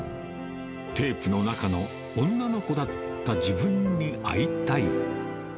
テープの中の女の子だった自分に会いたい。